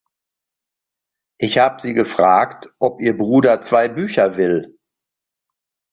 Ich hab sie gefragt, ob ihr Bruder zwei Bücher will.